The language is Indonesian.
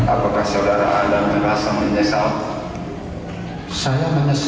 apakah saudara anda merasa menyesal